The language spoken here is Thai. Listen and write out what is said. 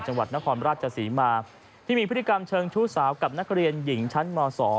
จังหวัดนครราชศรีมาที่มีพฤติกรรมเชิงชู้สาวกับนักเรียนหญิงชั้นม๒